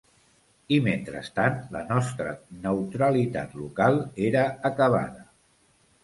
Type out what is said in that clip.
I, mentrestant, la nostra neutralitat local era acabada